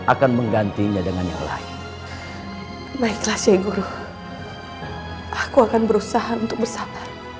akan menggantinya dengan yang lain naiklah saya guru aku akan berusaha untuk bersabar